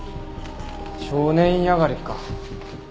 少年院上がりか。